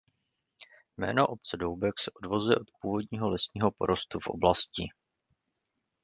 Jméno obce Doubek se odvozuje od původního lesního porostu v oblasti.